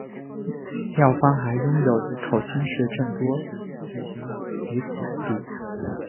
庙方还拥有林口新市镇多笔土地。